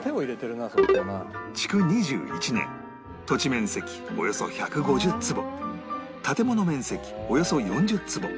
築２１年土地面積およそ１５０坪建物面積およそ４０坪